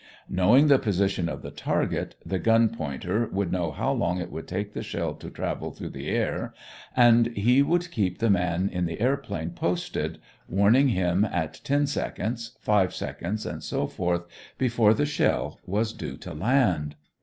Knowing the position of the target, the gun pointer would know how long it would take the shell to travel through the air, and he would keep the man in the airplane posted, warning him at ten seconds, five seconds, and so forth, before the shell was due to land.